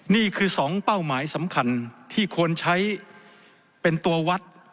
นี่คือ๒เป้าหมายสำคัญที่ควรใช้เป็นตัววัด